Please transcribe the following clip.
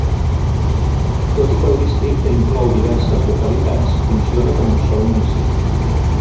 Tot i que el Districte inclou diverses localitats, funciona com un sol municipi.